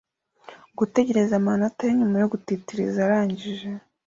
Gutegereza amanota ye nyuma yo gutitiriza arangije